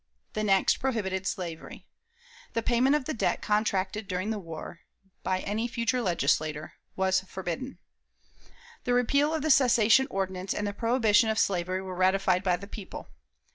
The next prohibited slavery. The payment of the debt contracted during the war, by any future Legislature, was forbidden. The repeal of the secession ordinance and the prohibition of slavery were ratified by the people.